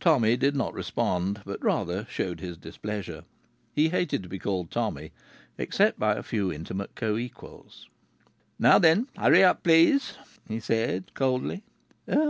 Tommy did not respond, but rather showed his displeasure. He hated to be called Tommy, except by a few intimate coevals. "Now then, hurry up, please!" he said coldly.